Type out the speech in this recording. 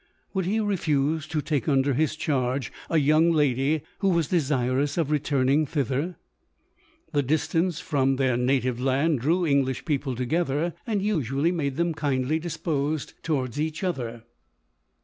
Would he refuse to take under his charge a young lady, who was desirous of returning thither? The dis tance from their native land drew English people together, and usually made them kindly disposed l 2 220 LODORE. towards each other.